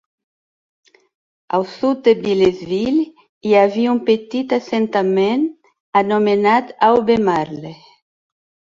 Al sud de Bilesville hi havia un petit assentament anomenat Albemarle.